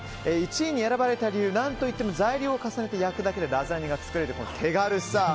１位に選ばれた理由材料を重ねて焼くだけでラザニアが作れる手軽さ。